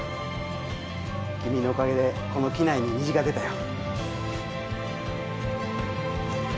君のおかげでこの機内に虹が出たよ。